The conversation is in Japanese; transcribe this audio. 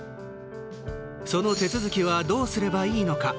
その手続きはどうすればいいのか？